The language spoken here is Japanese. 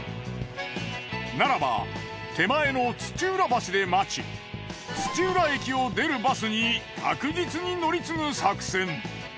ならば手前の土浦橋で待ち土浦駅を出るバスに確実に乗り継ぐ作戦。